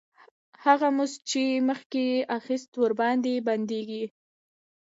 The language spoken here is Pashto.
هغه مزد چې مخکې یې اخیست ورباندې بندېږي